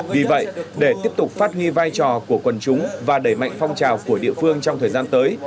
vì vậy để tiếp tục phát huy vai trò của quần chúng và đẩy mạnh phong trào của địa phương trong thời gian tới